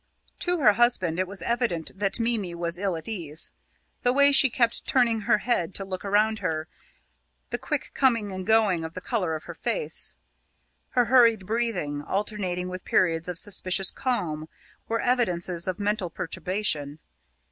To her husband, it was evident that Mimi was ill at ease. The way she kept turning her head to look around her, the quick coming and going of the colour of her face, her hurried breathing, alternating with periods of suspicious calm, were evidences of mental perturbation.